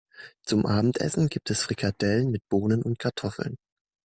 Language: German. Zum Abendessen gibt es Frikadellen mit Bohnen und Kartoffeln.